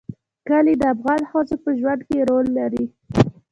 کلي د افغان ښځو په ژوند کې رول لري.